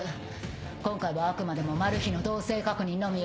今回はあくまでもマル被の動静確認のみよ。